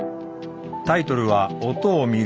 タイトルは「音を見る」